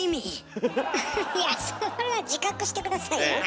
フフッいやそれは自覚して下さいよ。